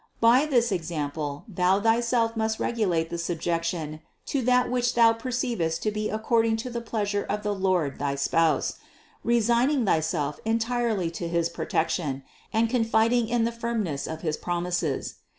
By this example thou thyself must regulate the subjection to that which thou perceiyest to be according to the pleas ure of the Lord thy Spouse, resigning thyself entirely to his protection and confiding in the firmness of his prom ises.